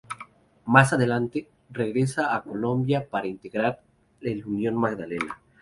Más adelante, regresa a Colombia para integrar el Unión Magdalena.